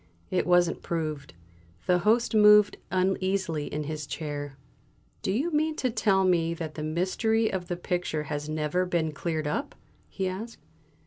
It wasn't proved." The Host moved uneasily in his chair. "Do you mean to tell me that the mystery of the picture has never been cleared up?" he asked.